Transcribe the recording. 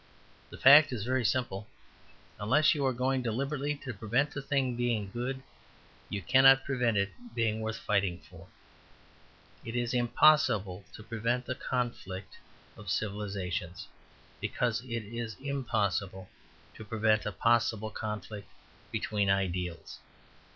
The fact is very simple. Unless you are going deliberately to prevent a thing being good, you cannot prevent it being worth fighting for. It is impossible to prevent a possible conflict of civilizations, because it is impossible to prevent a possible conflict between ideals.